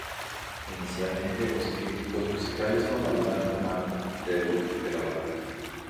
Inicialmente, los críticos musicales no valoraron el álbum debut de la banda.